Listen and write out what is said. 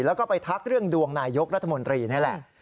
แล้วก็ไปทักเรื่องดวงนายยกรัฐมนตรีนี่แหละ